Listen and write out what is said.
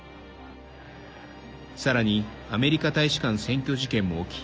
さらにアメリカ大使館占拠事件も起き